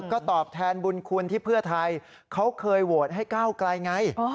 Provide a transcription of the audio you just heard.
ก็ตอบแทนบุญคุณที่เพื่อไทยเขาเคยโหวตให้ก้าวไกลไง